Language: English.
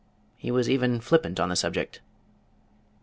He was even flippant on the subject.